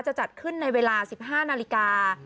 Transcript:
จะจัดขึ้นในเวลา๑๕นาฬิกา